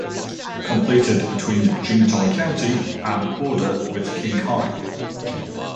Completed between Jingtai County and border with Qinghai.